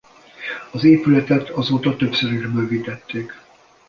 Az épületet azóta többször is bővítették.